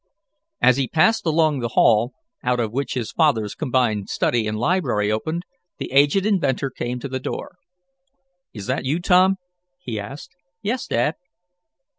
As he passed along the hall, out of which his father's combined study and library opened, the aged inventor came to the door. "Is that you, Tom?" he asked. "Yes, Dad."